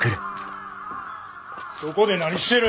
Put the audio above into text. そこで何してる。